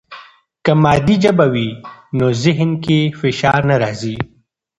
که مادي ژبه وي، نو ذهن کې فشار نه راځي.